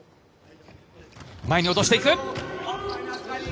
前に落としていく。